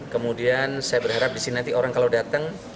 kemudian saya berharap disini nanti orang kalau datang